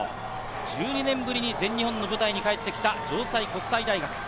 １２年ぶりに全日本の舞台に帰ってきた城西国際大学。